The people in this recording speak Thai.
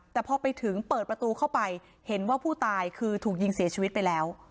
แต่พอไปถึงเปิดประตูเข้าไปเห็นว่าผู้ตายคือถูกยิงเสียชีวิตไปแล้ว